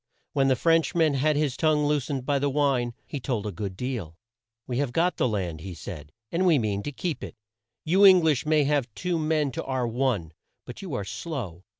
When the French man had his tongue loosed by the wine, he told a good deal. "We have got the land," he said, "and we mean to keep it. You Eng lish may have two men to our one, but you are slow.